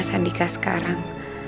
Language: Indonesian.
mas andika sekarang